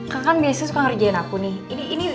kakak kan biasanya suka ngerjain aku nih